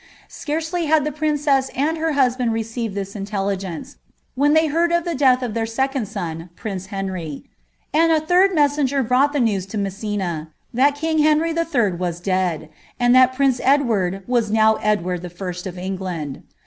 Scarcely had the princess and her husband rKeivid tliis intelligence, when tliey hfard of the death of their feconJ • prince Henry; and a third messenger brought the news to Mevsiita, thai king Henry Uf. was dead, and thai prince Edward was now Edward t o[ England.